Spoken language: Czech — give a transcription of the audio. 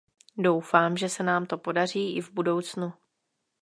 Doufám, že se nám to podaří i v budoucnu.